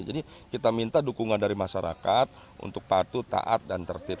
jadi kita minta dukungan dari masyarakat untuk patuh taat dan tertib